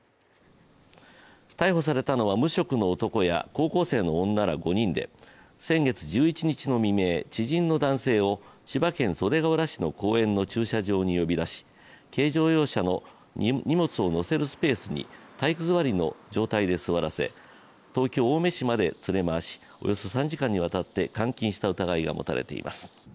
逮捕されたのは無職の男や高校生の女ら５人で先月１１日の未明、知人の男性を千葉県袖ケ浦市の公園の駐車場に呼び出し軽乗用車の荷物を載せるスペースに体育座りの状態で座らせ東京・青梅市まで連れ回しおよそ３時間にわたって監禁した疑いが持たれています。